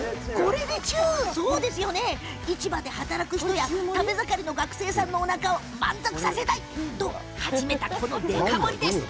市場で働く人や食べ盛りの学生さんのおなかを満足させたい！と始めたこのデカ盛り。